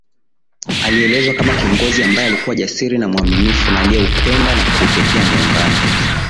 Alielezwa kama kiongozi ambaye alikuwa jasiri na mwaminifu na aliyeupenda na kuutetea Muungano